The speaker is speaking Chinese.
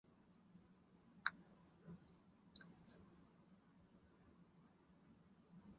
锐鸢无人机是为中华民国中科院研发制造的无人航空载具。